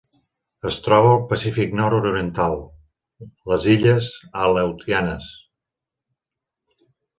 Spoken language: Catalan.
Es troba al Pacífic nord-oriental: les illes Aleutianes.